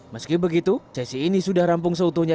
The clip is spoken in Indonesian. meski begitu sesi ini sudah rampung seutuhnya